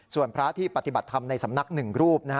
ส่วนพระที่ปฏิบัติธรรมในสำนักหนึ่งรูป